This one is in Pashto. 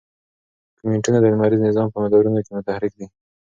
کومیټونه د لمریز نظام په مدارونو کې متحرک دي.